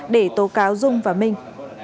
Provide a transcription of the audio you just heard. để tố cáo dung và minh